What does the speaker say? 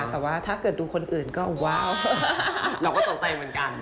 แต่ว่าถ้าเกิดดูคนอื่นก็ว้าวเราก็ตกใจเหมือนกัน